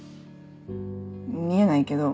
見えないけど。